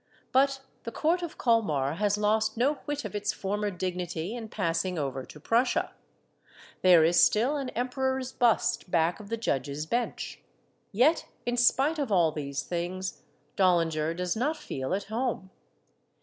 But the Court of Colmar has lost no whit of its former dignity in passing over to Prussia. There is still an Em peror's bust back of the judges' bench. Yet, in spite of all these things, Dollinger does not feel at home.